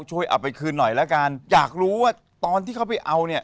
ช่วยเอาไปคืนหน่อยแล้วกันอยากรู้ว่าตอนที่เขาไปเอาเนี่ย